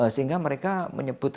sehingga mereka menyebut